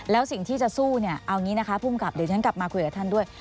แล้วสิ่งที่จะสู้เนี่ยเอางี้นะคะภูมิกับเดี๋ยวฉันกลับมาคุยกับท่านด้วย